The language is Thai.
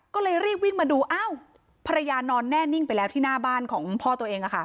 ก็เลยรีบวิ่งมาดูอ้าวภรรยานอนแน่นิ่งไปแล้วที่หน้าบ้านของพ่อตัวเอง